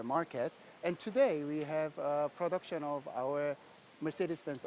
dan hari ini kami memproduksi mobil axo dari mercedes benz